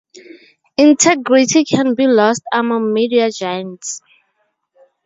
Integrity can be lost among media giants.